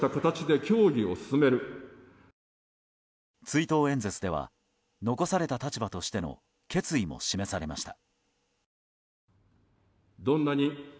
追悼演説では残された立場としての決意も示されました。